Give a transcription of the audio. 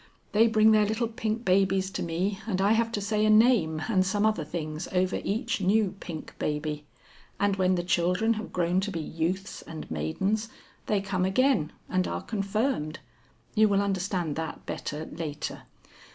They bring their little pink babies to me and I have to say a name and some other things over each new pink baby. And when the children have grown to be youths and maidens, they come again and are confirmed. You will understand that better later.